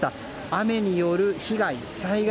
雨による被害、災害